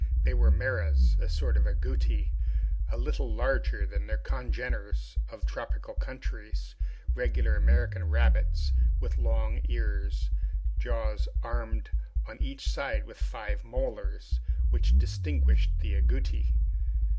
They were maras, a sort of agouti, a little larger than their congeners of tropical countries, regular American rabbits, with long ears, jaws armed on each side with five molars, which distinguish the agouti.